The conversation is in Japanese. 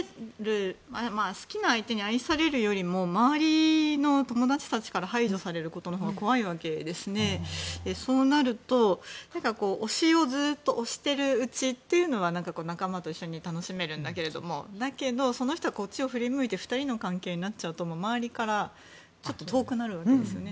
好きな相手に愛されるよりも周りの友達たちから排除されることのほうが怖いわけですね、そうなると推しをずっと推してるうちは仲間と一緒に楽しめるんだけどもその人がこっちを振り向いて２人の関係になっちゃうと周りから遠くなっちゃうんですね。